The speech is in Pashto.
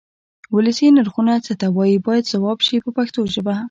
ولسي نرخونه څه ته وایي باید ځواب شي په پښتو ژبه.